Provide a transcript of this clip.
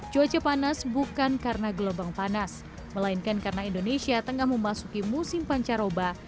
cuaca panas bukan karena gelombang panas melainkan karena indonesia tengah memasuki musim pancaroba